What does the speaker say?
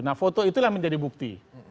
nah foto itulah menjadi bukti